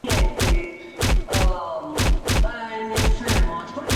Dirigente del Partido Justicialista.